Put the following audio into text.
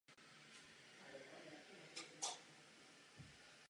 V posledních letech se intenzivně věnuje komponování vlastních skladeb.